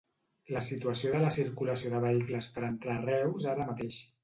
La situació de la circulació de vehicles per entrar a Reus ara mateix.